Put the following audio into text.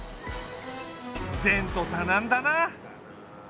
前途多難だな。